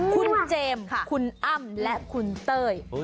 คุณเจมส์คุณอ้ำและคุณเต้ย